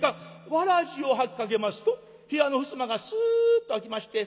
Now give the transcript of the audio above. わらじを履きかけますと部屋のふすまがスッと開きまして。